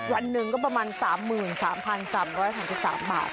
วันหนึ่งก็ประมาณ๓๓บาท